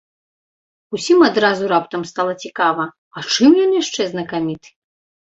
Усім адразу раптам стала цікава, а чым ён яшчэ знакаміты?